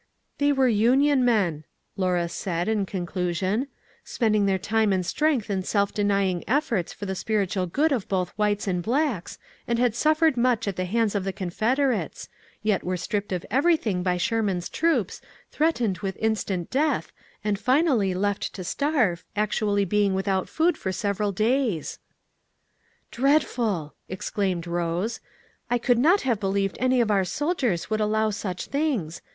"They were Union men," Lora said, in conclusion, "spending their time and strength in self denying efforts for the spiritual good of both whites and blacks, and had suffered much at the hands of the Confederates; yet were stripped of everything by Sherman's troops, threatened with instant death, and finally left to starve, actually being without food for several days." "Dreadful!" exclaimed Rose. "I could not have believed any of our officers would allow such things.